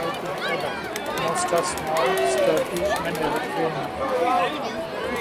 Most are small, sturdy and evergreen.